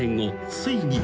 ついに］